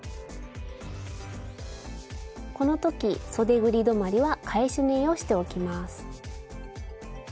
この時そでぐり止まりは返し縫いをしておきます。